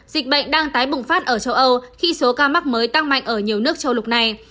dịch bệnh đang tái bùng phát ở châu âu khi số ca mắc mới tăng mạnh ở nhiều nước châu lục này